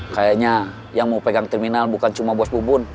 kayaknya yang mau pegang terminal bukan cuma bos bubun